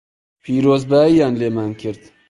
پیرۆزبایییان لێمان کرد